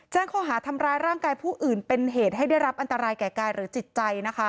ข้อหาทำร้ายร่างกายผู้อื่นเป็นเหตุให้ได้รับอันตรายแก่กายหรือจิตใจนะคะ